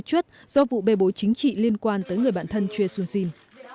chuất do vụ bề bối chính trị liên quan tới người bạn thân choi soon sin